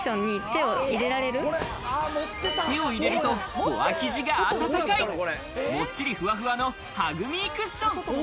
手を入れると、ボア生地が温かいもっちりボワボワのハグミークッション。